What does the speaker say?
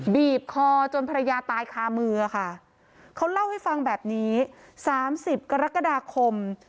บีบคอจนภรรยาตายคามือค่ะเขาเล่าให้ฟังแบบนี้สามสิบกรกฎาคม